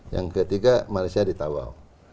yang ketiga malaysia di tawau